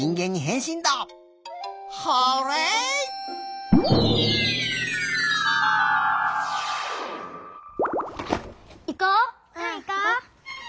うんいこう！